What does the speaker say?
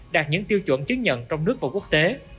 đạt những tiêu chuẩn chứng nhận trong nước và quốc tế